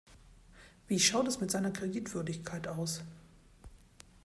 Wie schaut es mit seiner Kreditwürdigkeit aus?